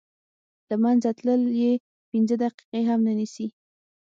له منځه تلل یې پنځه دقیقې هم نه نیسي.